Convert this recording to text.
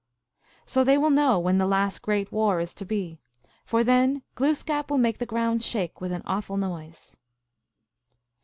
So they will know when the last great war is to be, for then Gloos kap will make the ground shake with an awful noise.